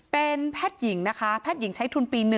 เป็นแพทย์หญิงนะคะแพทย์หญิงใช้ทุนปี๑